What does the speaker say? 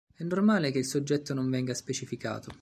È normale che il soggetto non venga specificato.